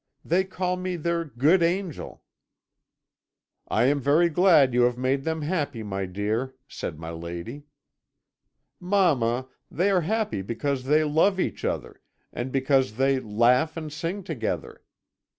They call me their good angel.' "'I am very glad you have made them happy, my dear,' said my lady. "'Mamma, they are happy because they love each other, and because they laugh and sing together.